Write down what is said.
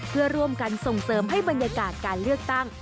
เพื่อร่วมกันส่งเสริมให้บรรยากาศการเลือกตั้ง